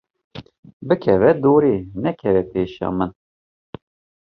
Bikeve dorê, nekeve pêşiya min.